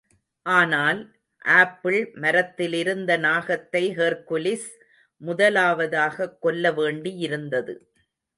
ஆனால், ஆப்பிள் மரத்திலிருந்த நாகத்தை ஹெர்க்குலிஸ் முதலாவதாகக் கொல்ல வேண்டியிருந்தது.